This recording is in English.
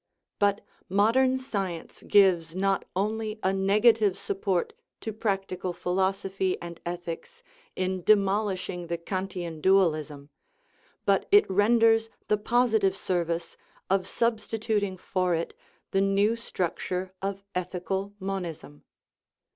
But modern science gives not only a negative sup port to practical philosophy and ethics in demolishing the Kantian dualism, but it renders the positive service of substituting for it the new structure of ethical mon 349 THE RIDDLE OF THE UNIVERSE ism.